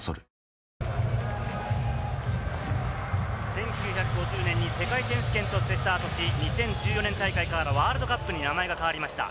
１９５０年に世界選手権としてスタートし、２０１４年大会からワールドカップに名前が変わりました。